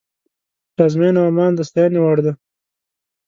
پلازمینه عمان د ستاینې وړ ده.